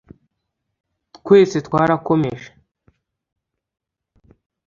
twese twarakomeje.